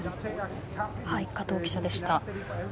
加藤記者でした。